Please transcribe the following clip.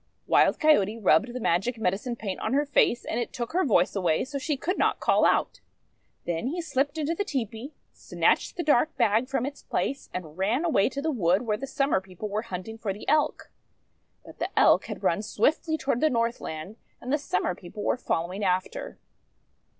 Wild Coyote rubbed the magic medicine paint on her face, and it took her voice away so she could not call out. Then he slipped into the tepee, snatched the dark bag from its place, and ran away to the wood, where the Summer People were hunting for the Elk. But the Elk had run swiftly toward the Northland, and the Summer People were following after.